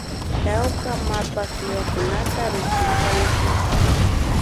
Tawka mapa kiwakunata rikshishkanchik